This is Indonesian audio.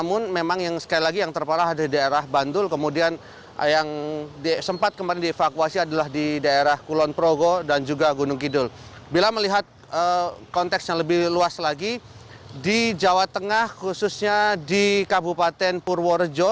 untuk banjir saja dari